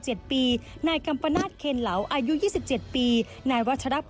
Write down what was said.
จนถึงโรงงานแล้วก็มีการต่อยกันครับผม